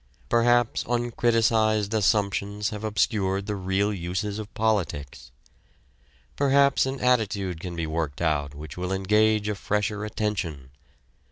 Perhaps uncriticised assumptions have obscured the real uses of politics. Perhaps an attitude can be worked out which will engage a fresher attention.